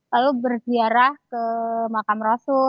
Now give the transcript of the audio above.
lalu berziarah ke makam rasul